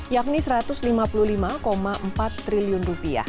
yakni rp satu ratus lima puluh lima empat triliun